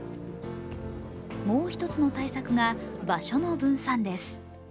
もう１つの対策が、場所の分散です。